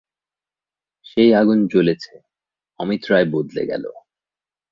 সেই আগুন জ্বলেছে, অমিত রায় বদলে গেল।